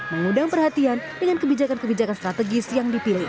mengundang perhatian dengan kebijakan kebijakan strategis yang dipilih